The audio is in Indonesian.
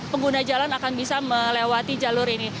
pengguna jalan akan bisa melewati jalur ini